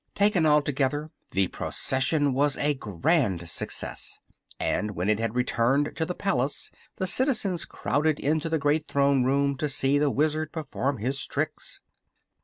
Taken altogether the procession was a grand success, and when it had returned to the palace the citizens crowded into the great Throne Room to see the Wizard perform his tricks.